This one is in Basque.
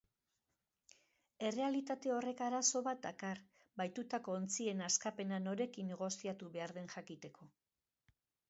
Errealitate horrek arazo bat dakar bahitutako ontzien askapena norekin negoziatu behar den jakiteko.